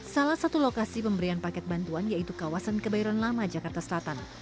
salah satu lokasi pemberian paket bantuan yaitu kawasan kebayoran lama jakarta selatan